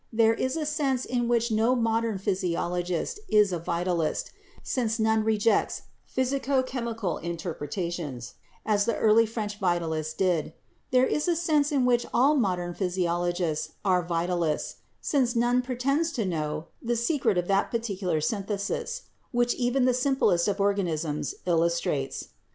There is a sense in which no modern physiologist is a vitalist, since none rejects physico chemical interpretations as the early French vitalists did; there is a sense in which all modern physiologists are vitalists, since none pretends to know the secret of that particular synthesis which even the simplest of organisms illustrates.